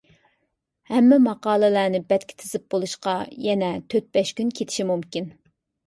ھەممە ماقالىلەرنى بەتكە تىزىپ بولۇشقا يەنە تۆت-بەش كۈن كېتىشى مۇمكىن.